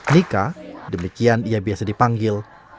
nika demikian ia biasa dipanggil